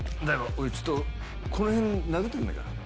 おいちょっとこの辺殴ってくれないか？